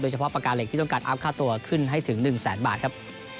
เฉพาะปากกาเหล็กที่ต้องการอัพค่าตัวขึ้นให้ถึง๑แสนบาทครับ